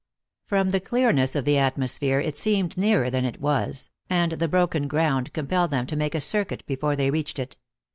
From the clearness of the atmosphere it seemed nearer than it was, and the broken ground com pelled them to make a circuit before they reached it.